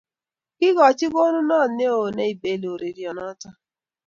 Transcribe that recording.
Kikochin konunot ne o neibeli ureryonotok